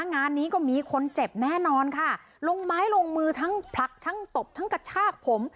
งานนี้ก็มีคนเจ็บแน่นอนค่ะลงไม้ลงมือทั้งผลักทั้งตบทั้งกระชากผม